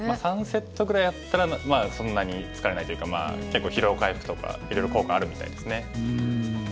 ３セットぐらいだったらそんなに疲れないというかまあ結構疲労回復とかいろいろ効果あるみたいですね。